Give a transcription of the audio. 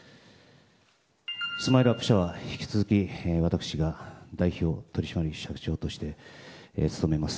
スマイルアップ社は引き続き私が代表取締役社長として務めます。